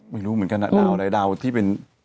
ไม่รู้เหมือนกันดาวอะไรดาวที่เป็น